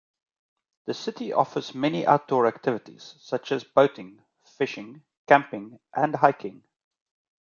The city offers many outdoor activities such as boating, fishing, camping and hiking.